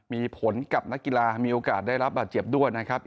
มีผลกับนักกีฬามีโอกาสได้รับบาดเจ็บด้วยนะครับ